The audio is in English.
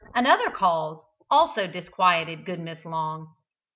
Another cause also disquieted good Mrs. Long.